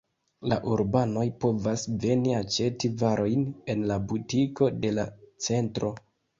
La urbanoj povas veni aĉeti varojn en la butiko de la centro.